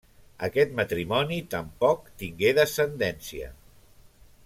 Aquest matrimoni tampoc tingué descendència.